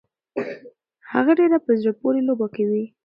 هغه ډيره په زړه پورې لوبه کوي.